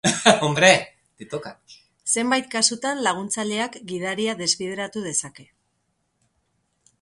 Zenbait kasutan laguntzaileak gidaria desbideratu dezake.